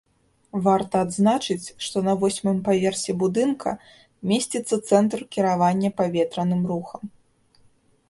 Варта адзначыць, што на восьмым паверсе будынка месціцца цэнтр кіравання паветраным рухам.